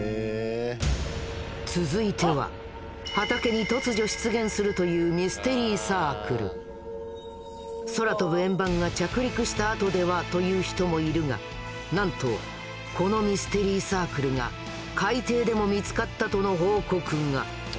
続いては畑に突如出現するという空飛ぶ円盤が着陸した跡では？と言う人もいるがなんとこのミステリーサークルが海底でも見つかったとの報告が。